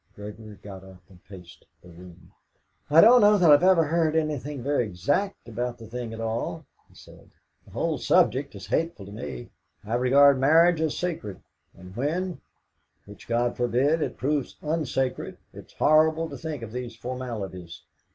Gregory got up and paced the room. "I don't know that I've ever heard anything very exact about the thing at all," he said. "The whole subject is hateful to me. I regard marriage as sacred, and when, which God forbid, it proves unsacred, it is horrible to think of these formalities.